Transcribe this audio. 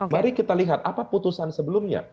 mari kita lihat apa putusan sebelumnya